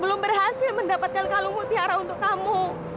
belum berhasil mendapatkan kalung mutiara untuk kamu